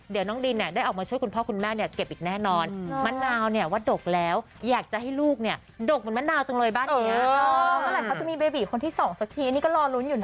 เดี่ยวน้องดินเนี่ยได้ออกมาช่วยคุณพ่อคุณแม่เนี่ยเก็บอีกแน่นอน